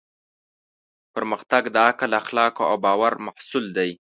پرمختګ د عقل، اخلاقو او باور محصول دی.